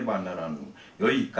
よいか。